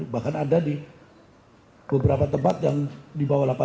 bahkan ada di beberapa tempat yang di bawah delapan puluh